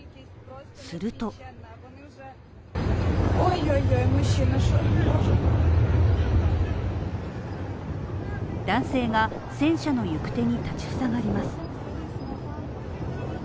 すると男性が戦車の行く手に立ち塞がります。